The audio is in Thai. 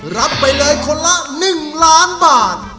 รับไปเลยคนละหนึ่งล้านบาท